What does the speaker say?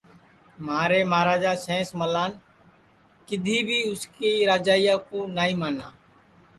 مہارے مہاراجا سین ملان کِدھی بھی اُس کی راجائیا کُو نائی مانا